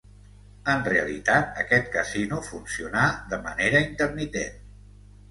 En realitat aquest casino funcionà de manera intermitent.